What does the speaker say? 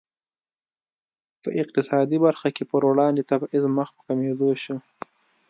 په اقتصادي برخه کې پر وړاندې تبعیض مخ په کمېدو شو.